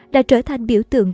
đã trở thành biểu tượng